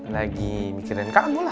lagi mikirin kamu lah